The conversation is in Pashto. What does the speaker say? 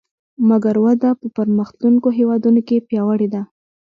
مګر وده په پرمختلونکو هېوادونو کې پیاوړې ده